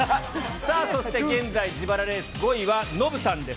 さあ、そして現在、自腹レース５位はノブさんです。